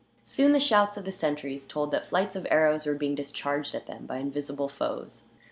Soon the shouts of the sentries told that flights of arrows were being discharged at them, by invisible foes.